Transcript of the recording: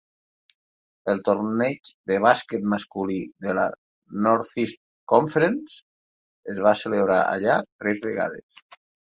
El torneig de bàsquet masculí de la Northeast Conference es va celebrar allà tres vegades.